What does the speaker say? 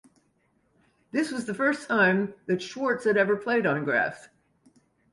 This was the first time that Schwartz had ever played on grass.